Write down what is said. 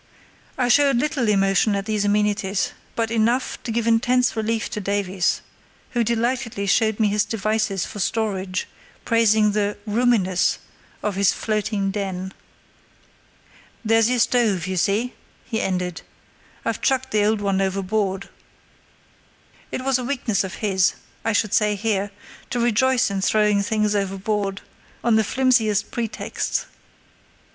I showed little emotion at these amenities, but enough to give intense relief to Davies, who delightedly showed me his devices for storage, praising the "roominess" of his floating den. "There's your stove, you see," he ended; "I've chucked the old one overboard." It was a weakness of his, I should say here, to rejoice in throwing things overboard on the flimsiest pretexts.